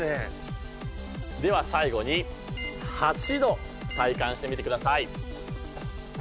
では最後に８度体感してみてください。